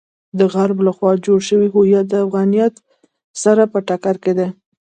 د غرب لخوا جوړ شوی هویت د افغانیت سره په ټکر کې دی.